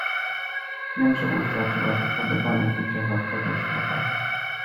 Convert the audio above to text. — Wiem, że utraciłaś upodobanie w uciechach tego świata.